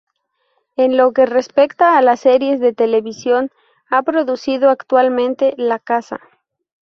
En lo que respecta a las series de televisión, ha producido actualmente “La caza.